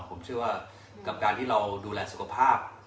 ผมเชื่อว่ากับการที่เราดูแลสุขภาพ